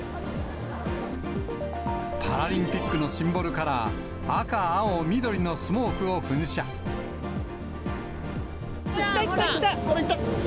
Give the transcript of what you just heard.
パラリンピックのシンボルカラー、赤、青、来た来た来た。